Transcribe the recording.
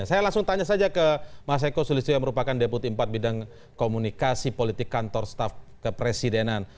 saya langsung tanya saja ke mas eko sulistyo yang merupakan deputi empat bidang komunikasi politik kantor staff kepresidenan